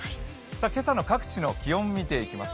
今朝の各地の気温を見ていきます。